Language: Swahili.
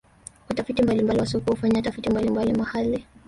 watafiti mbalimbali wa sokwe hufanya tafiti mbalimbali mahale